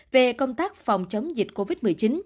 về công tác phòng chống dịch covid một mươi chín